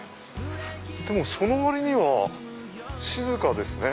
でもその割には静かですね。